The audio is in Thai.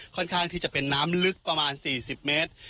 ค่อนข้างที่จะเป็นน้ำลึกประมาณ๔๐เมตร